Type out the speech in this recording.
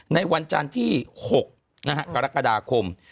ในวันจันที่๖นะฮะกรกฎาคม